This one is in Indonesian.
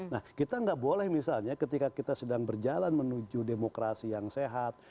nah kita nggak boleh misalnya ketika kita sedang berjalan menuju demokrasi yang sehat